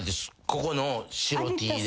ここの白Ｔです。